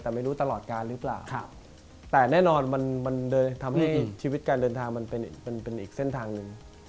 แต่ไม่รู้ตลอดการหรือเปล่าแต่แน่นอนมันเลยทำให้ชีวิตการเดินทางมันเป็นอีกเส้นทางหนึ่ง